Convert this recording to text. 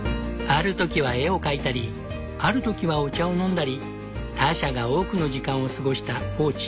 ある時は絵を描いたりある時はお茶を飲んだりターシャが多くの時間を過ごしたポーチ。